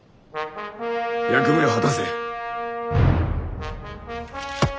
役目を果たせ。